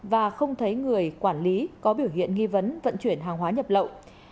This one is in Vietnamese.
và không thấy người quản lý có biểu hiện nghi vấn vận chuyển hàng hóa nhập lậu